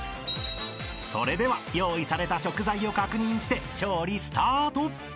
［それでは用意された食材を確認して調理スタート］